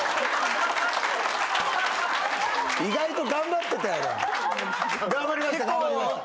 意外と頑張ってたやろ。